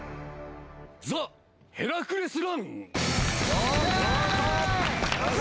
ザ・ヘラクレスラン